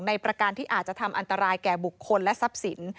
ประการที่อาจจะทำอันตรายแก่บุคคลและทรัพย์สิน